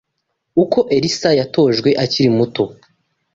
Uko Elisa yatojwe akiri muto